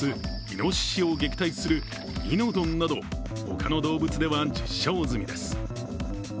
いのししを撃退するいのドンなど、他の動物では実証済みです。